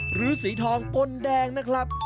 หรือสีทองปนแดงนะครับ